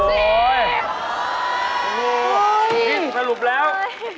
พิมพ์สรุปแล้ว